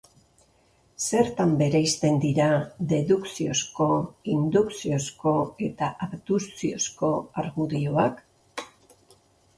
Zertan bereizten dira dedukziozko, indukziozko eta abdukziozko argudioak?